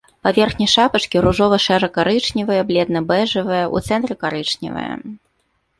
Паверхня шапачкі ружова-шэра-карычневая, бледна-бэжавая, у цэнтры карычневая.